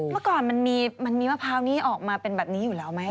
เมื่อก่อนมันมีมะพร้าวนี้ออกมาเป็นแบบนี้อยู่แล้วไหม